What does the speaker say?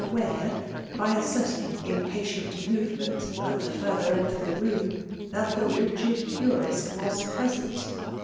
aware^ by a certain impatient morement at the ^rther end of the rocnn, Aat the rigid purist was present.